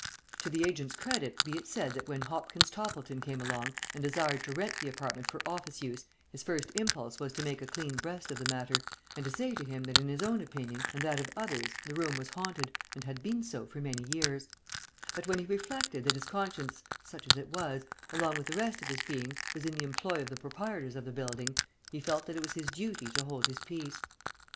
To the agent's credit be it said that when Hopkins Toppleton came along and desired to rent the apartment for office use his first impulse was to make a clean breast of the matter, and to say to him that in his own opinion and that of others the room was haunted and had been so for many years; but when he reflected that his conscience, such as it was, along with the rest of his being, was in the employ of the proprietors of the building, he felt that it was his duty to hold his peace.